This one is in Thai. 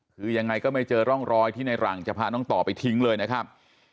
คือยังไงก็ไม่เจอร่องรอยที่ในหลังจะพาน้องต่อไปทิ้งเลยนะครับ